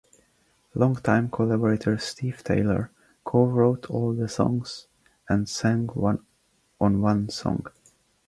Long-time collaborator Steve Taylor co-wrote all the songs and sang on one song.